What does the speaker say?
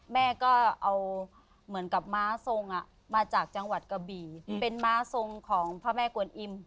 แม่ก็เอาเหมือนกับม้าทรงมาจากจังหวัดกะบี่เป็นม้าทรงของพระแม่กวนอิ่ม